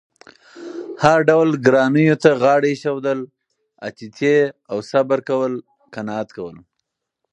هر ډول ګرانو ته غاړه اېښودل، اتیتې او صبر کول، قناعت کول